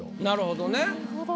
なるほどね。